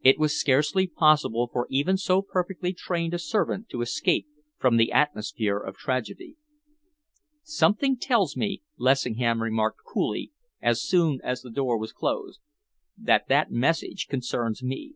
It was scarcely possible for even so perfectly trained a servant to escape from the atmosphere of tragedy. "Something tells me," Lessingham remarked coolly, as soon as the door was closed, "that that message concerns me."